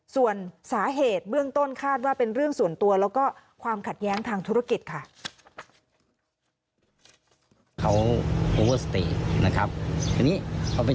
ส่วนสาเหตุเบื้องต้นคาดว่าเป็นเรื่องส่วนตัวแล้วก็ความขัดแย้งทางธุรกิจค่ะ